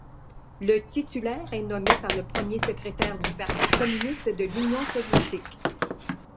Le titulaire est nommé par le premier secrétaire du Parti communiste de l'Union soviétique.